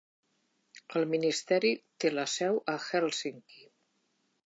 El Ministeri té la seu a Helsinki.